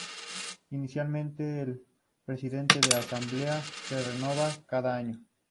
Inicialmente, el presidente de la asamblea se renovaba cada año.